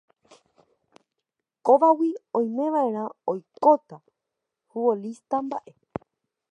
Kóvagui oimeva'erã oikóta futbolista mba'e